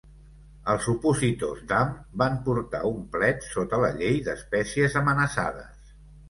Els opositors Dam van portar un plet sota la Llei d'espècies amenaçades.